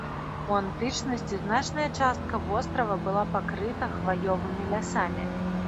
У антычнасці значная частка вострава была пакрыта хваёвымі лясамі.